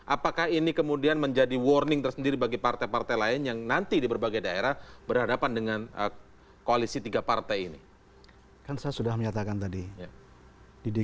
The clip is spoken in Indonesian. apakah ini kemudian menjadi warning tersendiri bagi partai partai lain yang nanti di berbagai daerah berhadapan dengan koalisi tiga partai ini